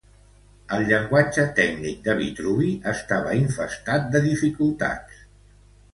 El llenguatge tècnic de Vitruvi estava infestat de dificultats.